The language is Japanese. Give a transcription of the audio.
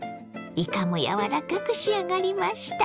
いかも柔らかく仕上がりました。